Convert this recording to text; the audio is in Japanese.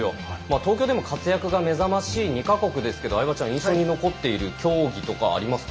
東京でも活躍が目覚ましい２か国ですか相葉ちゃん、印象に残ってる競技とかありますか。